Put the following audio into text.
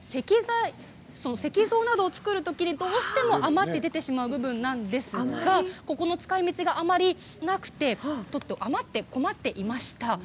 石像などを作るときにどうしても余ってしまう部分なんですが使いみちが、あまりなくて困っていました。